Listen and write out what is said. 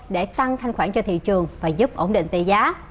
để tăng thanh khoản cho thị trường và giúp ổn định tỷ giá